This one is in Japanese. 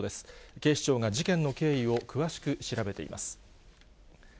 警視庁が事件の経緯を詳しく調べています。